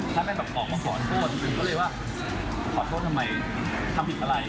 ถ้าเป็นแบบขอขอโทษก็เลยว่าขอโทษทำไมทำผิดอะไร